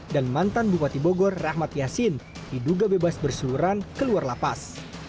dan mantan bupati bogor rahmat yasin diduga bebas berseluruhan keluar lapas